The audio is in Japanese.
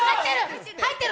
入ってる！